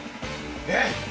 えっ？